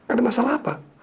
ada masalah apa